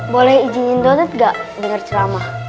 boleh izinin dodot gak dengar cerama